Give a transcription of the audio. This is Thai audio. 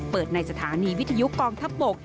ในสถานีวิทยุกองทัพบก